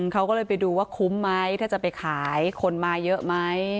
เขาก็เลยไปดูว่าคุ้มไหมถ้าจะไปขายคนมาเยอะไหม